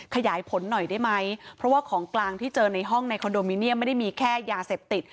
ขยายผลหน่อยได้ไหมเพราะว่าของกลางที่เจอในห้องในคอนโดมิเนียมไม่ได้มีแค่ยาเสพติด